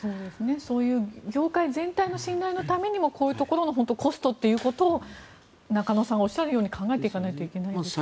そういう業界全体の信頼のためにもこういうところのコストというところを中野さんがおっしゃるように考えていかなきゃいけないですね。